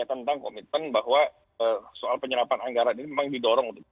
tentang komitmen bahwa soal penyerapan anggaran ini memang didorong untuk